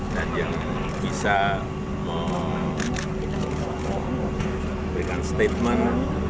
dan yang bisa memberikan statement